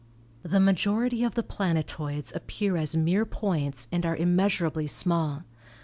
The majority of the planetoids appear as mere points and are immeasurably small.